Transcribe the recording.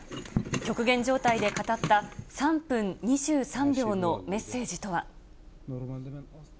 極限状態で語った３分２３秒のメッセージとは。